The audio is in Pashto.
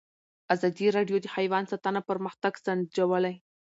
ازادي راډیو د حیوان ساتنه پرمختګ سنجولی.